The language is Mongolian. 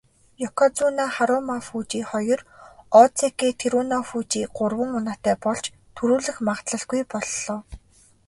Ёкозүна Харүмафүжи хоёр, озеки Тэрүнофүжи гурван унаатай болж түрүүлэх магадлалгүй боллоо.